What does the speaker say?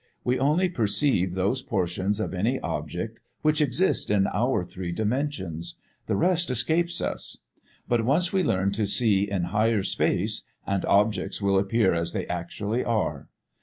We only perceive those portions of any object which exist in our three dimensions; the rest escapes us. But, once we learn to see in Higher Space, and objects will appear as they actually are.